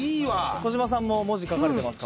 小島さんも文字書かれてますか。